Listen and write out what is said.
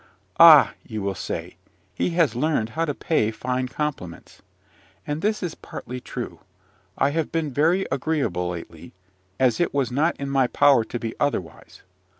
"Ah!" you will say, "he has learned how to pay fine compliments." And this is partly true. I have been very agreeable lately, as it was not in my power to be otherwise.